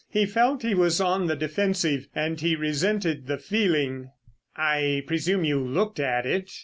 He felt he was on the defensive, and he resented the feeling. "I presume you looked at it?"